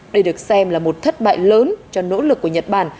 đây được xem là một thất bại lớn cho nỗ lực của nhật bản